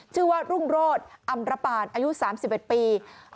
ชื่อว่ารุ่งโรธอำระปานอายุ๓๑ปี